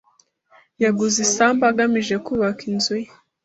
Yaguze isambu agamije kubaka inzu ye.